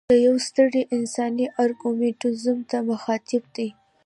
د یوې سترې انساني ارګومنټیزم ته مخاطب دی.